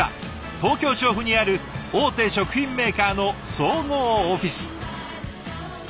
東京・調布にある大手食品メーカーの総合オフィス。